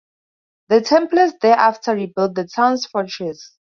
The Templars thereafter rebuilt the town's fortress.